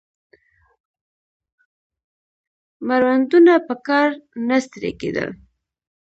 مړوندونه په کار نه ستړي کېدل